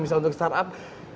misalnya untuk startup